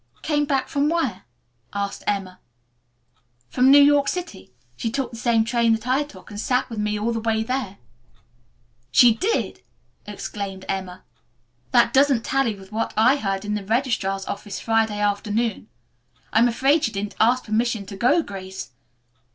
"Came back from where?" asked Emma. "From New York City. She took the same train that I took and sat with me all the way there." "She did!" exclaimed Emma. "That doesn't tally with what I heard in the registrar's office Friday afternoon. I'm afraid she didn't ask permission to go, Grace."